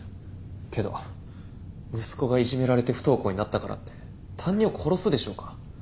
けど息子がいじめられて不登校になったからって担任を殺すでしょうか？